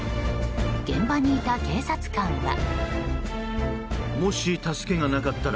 現場にいた警察官は。